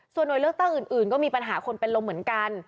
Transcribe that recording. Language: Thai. ส่วนหน่วยเลือกตั้งอื่นก็มีปัญหาคนเป็นลมเหมือนกัน